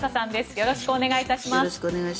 よろしくお願いします。